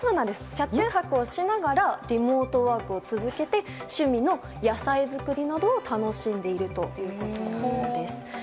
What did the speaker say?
車中泊をしながらリモートワークを続けて趣味の野菜作りなどを楽しんでいるということなんです。